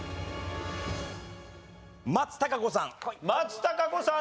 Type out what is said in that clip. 松たか子さん